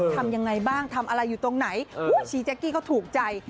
ทำยังไงบ้างทำอะไรอยู่ตรงไหนชี้แจ๊กกี้เขาถูกใจ